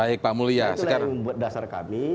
itu yang membuat dasar kami